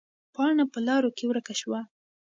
پاڼه په لارو کې ورکه شوه.